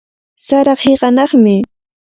Saraqa hiqanaqmi.